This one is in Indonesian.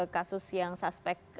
kasus yang suspek